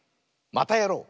「またやろう！」。